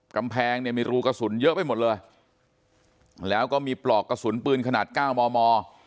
กำแพงเนี่ยมีรูกระสุนเยอะไปหมดเลยแล้วก็มีปลอกกระสุนปืนขนาดเก้ามอมอ